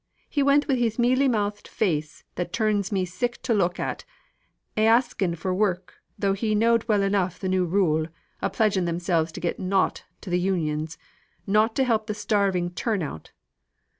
He went wi' his mealy mouthed face, that turns me sick to look at, a asking for work, though he knowed well enough the new rule, o' pledging themselves to give nought to th' Unions; nought to help the starving turn out!